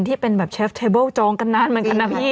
ที่เป็นแบบเชฟเทเบิลโจงกันนานเหมือนกันนะพี่